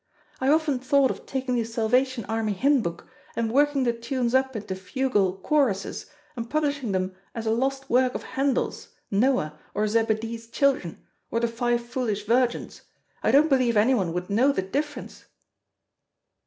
I've often thought of taking the Salvation Army hymn book and working the tunes up into fugual choruses, and publishing them as a lost work of Handel's, Noah, or Zebedee's children, or the Five Foolish Virgins. I don't believe anyone would know the difference."